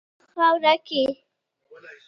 په خپله خاوره کې.